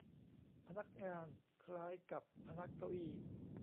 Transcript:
พนักงาน คล้ายกับพนักเก้าอี้